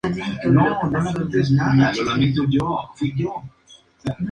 Está localizada al sureste de la bahía de Skagerrak.